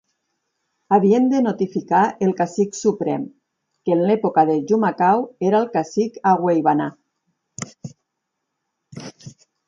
Havien de notificar el "cacic suprem", que en l'època de Jumacao era el cacic Agüeybaná.